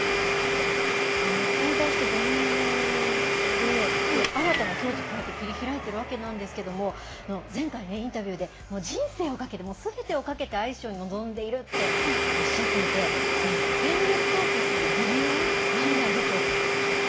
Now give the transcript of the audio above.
引退して５年で、新たな境地、こうやって切り開いているわけなんですけど、前回ね、インタビューで、人生をかけて、すべてをかけてアイスショーに臨んでいるっておっしゃっていて、その全力投球する理由、何なんでしょうか。